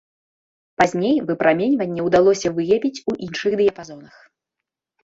Пазней выпраменьванне ўдалося выявіць у іншых дыяпазонах.